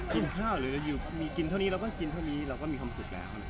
กินข้าวหรือมีกินเท่านี้เราก็กินเท่านี้เราก็มีความสุขแล้ว